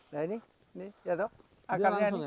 nah ini ini lihat dong